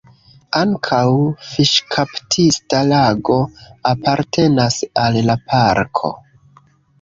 Ankaŭ fiŝkaptista lago apartenas al la parko.